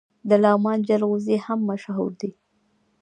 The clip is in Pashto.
د لغمان جلغوزي هم مشهور دي.